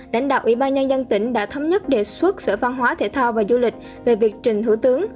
lãnh đạo ủy ban nhân dân tỉnh đã thống nhất đề xuất sở văn hóa thể thao và du lịch về việc trình thủ tướng